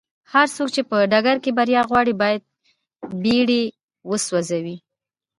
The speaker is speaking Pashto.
هرڅوک چې په هر ډګر کې بريا غواړي بايد بېړۍ وسوځوي.